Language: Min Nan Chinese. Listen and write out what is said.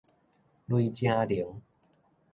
雷精靈